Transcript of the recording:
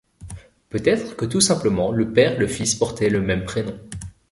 Peut-être que tout simplement le père et le fils portaient le même prénom.